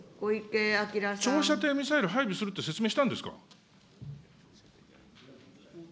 長射程ミサイル配備するって説明したんですか。